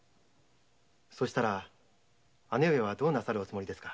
そうしたら姉上はどうなさるおつもりですか？